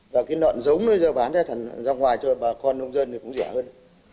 và cái nợn giống đó bán ra ngoài cho bà con nông dân thì cũng rẻ hơn